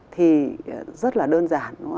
thì rất là đơn giản